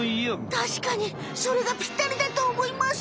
たしかにそれがぴったりだとおもいます！